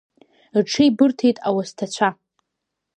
Рҽеибырҭеит ауасҭацәа.